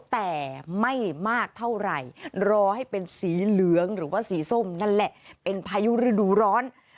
แต่ไม่มากเท่าไหร่รอให้เป็นสีเหลืองหรือว่าสีส้มนั่นแหละเป็นพายุฤดูร้อน